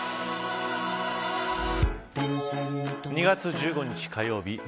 ２月１５日火曜日